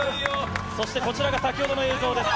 そして、こちらが先ほどの映像です。